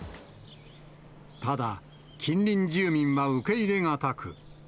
ただ、近隣住民は受け入れ難く。